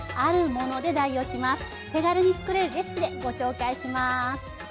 手軽に作れるレシピでご紹介します。